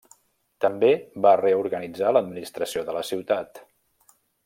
També va reorganitzar l'administració de la ciutat.